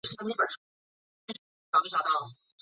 主席和行政总裁为韦杰。